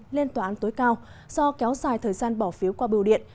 lên tòa án tối cao do kéo dài thời gian bỏ phiếu qua biểu điện